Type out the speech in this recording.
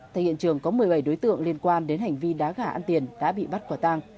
thay hiện trường có một mươi bảy đối tượng liên quan đến hành vi đá gà ăn tiền đã bị bắt quả tang